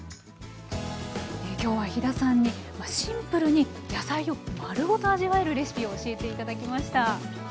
今日は飛田さんにシンプルに野菜を丸ごと味わえるレシピを教えて頂きました。